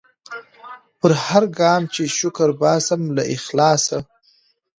پر هرګام چي شکر باسم له اخلاصه